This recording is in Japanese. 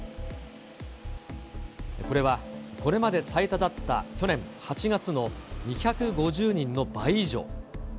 これは、これまで最多だった去年８月の２５０人の倍以上。